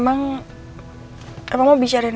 ada yang bapak mau bicara sama kamu